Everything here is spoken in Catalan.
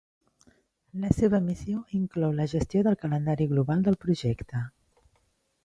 La seva missió inclou la gestió del calendari global del projecte.